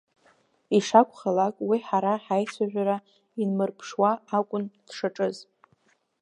Ишакәхалак, уи ҳара ҳаицәажәара инмырԥшуа акәын дшаҿыз…